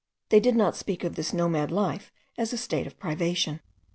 They did not speak of this nomad life as of a state of privation.